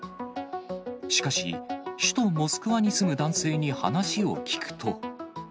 しかし、首都モスクワに住む男性に話を聞くと。